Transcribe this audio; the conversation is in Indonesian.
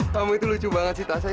kamu itu lucu banget sih tasya